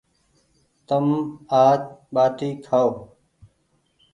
تم آج ٻآٽي کآيو ۔